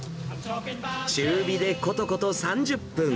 中火でことこと３０分。